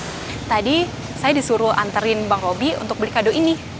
tuh kan tadi saya disuruh anterin bang robi untuk beli kado ini